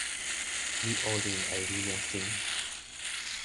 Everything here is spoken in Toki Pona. mi olin e linja sina.